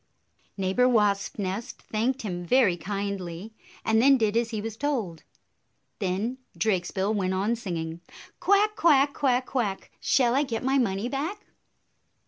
Neighbor Wasp nest thanked him very kindly, and then did as he was told. Then Drakesbill went on, singing, "Quack, quack! Quack, quack! Shall I get my money back?"